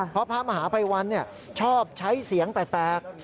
เพราะพระมหาภัยวันชอบใช้เสียงแปลก